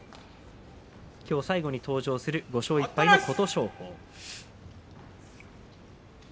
きょう最後に登場する５勝１敗の琴勝峰。